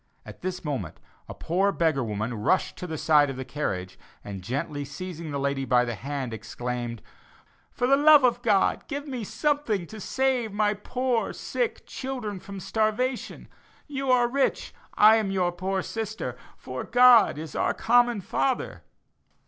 At this moment a poor beggar woman rushed to the side of the carriage, and gently seizing the lady by the hand, exclaimed, "For the love of God give me something to save my poor sick children from starvation. You are rich; I am your poor sister, for God is our common Father."